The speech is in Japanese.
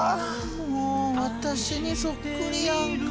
もう私にそっくりやんか。